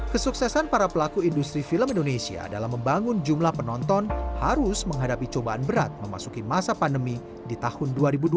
kesuksesan para pelaku industri film indonesia dalam membangun jumlah penonton harus menghadapi cobaan berat memasuki masa pandemi di tahun dua ribu dua puluh